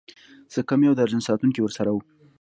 څه کم يو درجن ساتونکي ورسره وو.